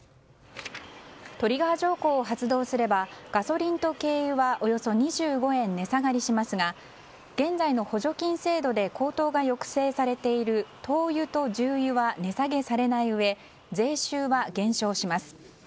トリガー条項を発動すればガソリンと軽油はおよそ２５円値下がりしますが現在の補助金制度で高騰が抑制されている灯油と重油は値下げされないうえ税収は減少します。